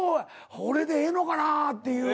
俺でええのかなっていう。